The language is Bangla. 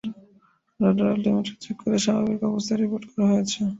রাডার অ্যালটিমিটার চেক করে স্বাভাবিক অবস্থায় রিপোর্ট করা হয়েছে।